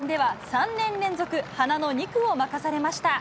箱根駅伝では３年連続、花の２区を任されました。